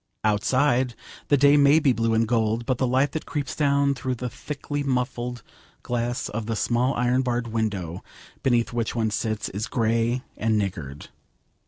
Outside, the day may be blue and gold, but the light that creeps down through the thickly muffled glass of the small iron barred window beneath which one sits is grey and niggard.